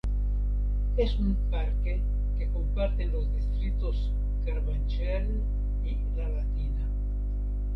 Es un parque que comparten los distritos Carabanchel y la Latina.